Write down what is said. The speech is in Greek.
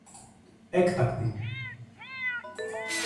Έκτακτη!